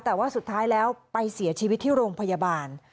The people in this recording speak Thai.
แต่ว่าสุดท้ายแล้วไปเสียชีวิตที่โรงพยาบาล